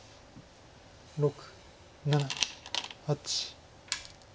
６７８。